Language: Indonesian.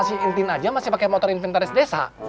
si intin aja masih pakai motor inventaris desa